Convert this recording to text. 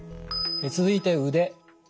続いて腕。